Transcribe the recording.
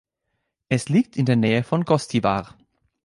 Es liegt in der Nähe von Gostivar.